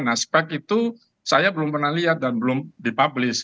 nah spek itu saya belum pernah lihat dan belum dipublish